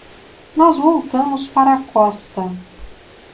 Nós voltamos para a costa.